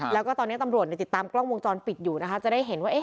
แล้วก็ตอนนี้ตำรวจติดตามกล้องวงจรปิดอยู่นะคะจะได้เห็นว่า